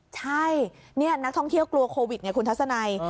ใช่นี่นักท่องเที่ยวกลัวโควิดไงคุณทัศนัย